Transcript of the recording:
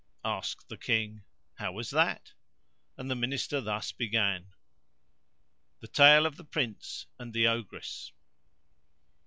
Asked the King, "How was that?" and the Minister thus began The Tale of the Prince and the Ogress.